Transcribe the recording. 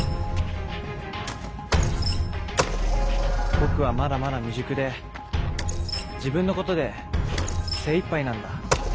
僕はまだまだ未熟で自分のことで精一杯なんだ。